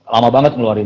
lama banget ngeluarin